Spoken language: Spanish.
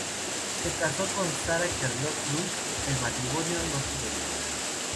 Se casó con Sarah Charlotte Bruce: el matrimonio no tuvo hijos.